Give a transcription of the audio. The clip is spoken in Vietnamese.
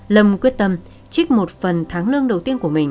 lâm quyết tâm trích một phần tháng lương đầu tiên